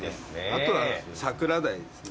あとはサクラダイですね。